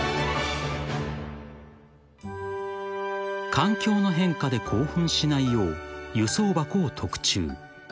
［環境の変化で興奮しないよう輸送箱を特注］